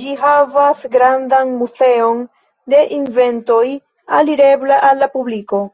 Ĝi havas grandan muzeon de inventoj alirebla al la publiko.